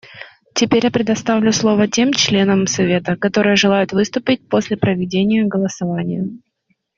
Теперь я предоставлю слово тем членам Совета, которые желают выступить после проведения голосования.